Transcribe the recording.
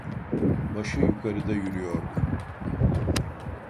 Başı yukarıda yürüyordu.